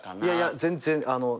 いやいや全然。